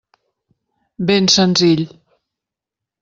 Ben senzill.